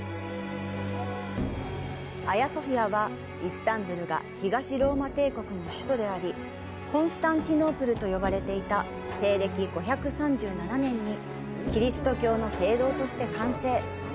アヤソフィアは、イスタンブールが東ローマ帝国の首都でありコンスタンティノープルと呼ばれていた西暦５３７年にキリスト教の聖堂として完成。